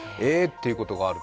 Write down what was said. ていうことがある。